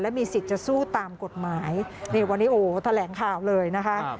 มีสิทธิ์จะสู้ตามกฎหมายนี่วันนี้โอ้แถลงข่าวเลยนะคะ